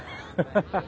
ハハハハ。